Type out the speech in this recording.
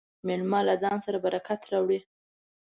مېلمه له ځان سره برکت راوړي.